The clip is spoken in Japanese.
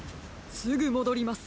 すぐもどります。